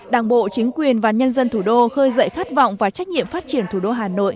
đảng bộ chính quyền và nhân dân thủ đô khơi dậy khát vọng và trách nhiệm phát triển thủ đô hà nội